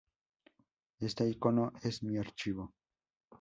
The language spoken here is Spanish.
Este ícono "es" mi archivo.